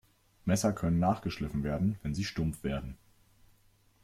Messer können nachgeschliffen werden, wenn sie stumpf werden.